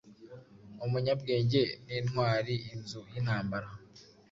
Umunyabwenge nintwariinzu yintambara